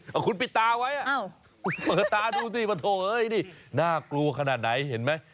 เอาคุณปิดตาไว้เปิดตาดูสิปะโถเอ้ยนี่น่ากลัวขนาดไหนเห็นไหม